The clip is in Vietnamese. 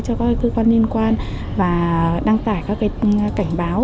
cho các cơ quan liên quan và đăng tải các cảnh báo